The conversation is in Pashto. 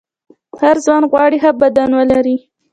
هر ځوان غواړي ښه بدن ولري.